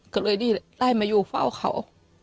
ก็เลยได้เลยได้มาอยู่เฝ้าเขา